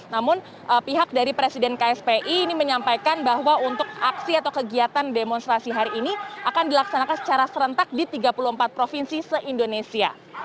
namun pihak dari presiden kspi ini menyampaikan bahwa untuk aksi atau kegiatan demonstrasi hari ini akan dilaksanakan secara serentak di tiga puluh empat provinsi se indonesia